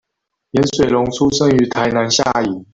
顏水龍出生於台南下營